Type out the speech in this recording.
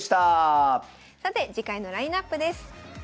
さて次回のラインナップです。